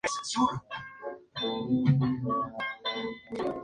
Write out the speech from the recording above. La desembocadura en el Tajo se realiza en el embalse de Alcántara.